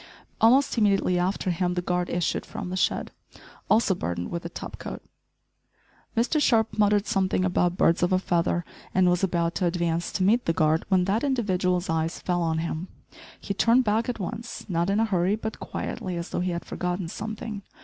Almost immediately after him the guard issued from the shed, also burdened with a top coat! Mr Sharp muttered something about, "birds of a feather," and was about to advance to meet the guard when that individual's eyes fell on him. He turned back at once, not in a hurry, but quietly as though he had forgotten something.